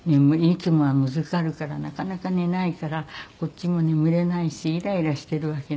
いつもはむずかるからなかなか寝ないからこっちも眠れないしイライラしてるわけ。